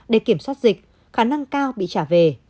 để kiểm soát dịch khả năng cao bị trả về